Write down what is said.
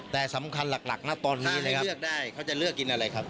แต่สำคัญหลักณตอนนี้แหละครับ